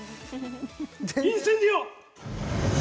インセンディオ